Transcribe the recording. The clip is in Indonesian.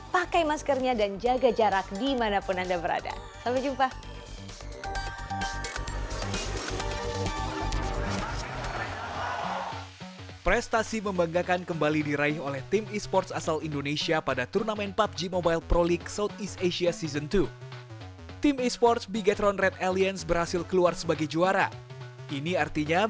pakai maskernya dan jaga jarak dimanapun anda berada sampai jumpa